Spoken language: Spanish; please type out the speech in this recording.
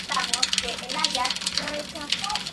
El fuego destruyó parte de la ciudad y acabó al día siguiente.